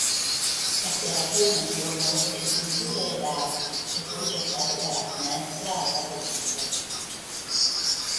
A Serapione furono rotte giunture ed arti e poi gettato dalla finestra a capofitto.